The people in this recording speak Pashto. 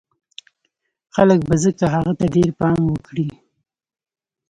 خلک به ځکه هغه ته ډېر پام وکړي